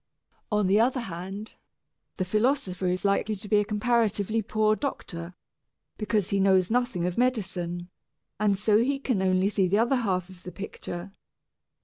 On the other hand, the philosopher is likely to be a comparatively poor doctor, because he knows nothing of medicine, and so can see only the other half of the picture.